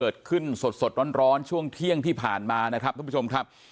เกิดขึ้นสดร้อนช่วงเที่ยงที่ผ่านมานะครับทุกผู้ชมครับ